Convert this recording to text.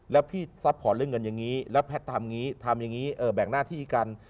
แล้วพี่ซัพพอร์ตเล่นเงินอย่างนี้แล้วแพทย์ทำอย่างนี้แบ่งหน้าที่กัน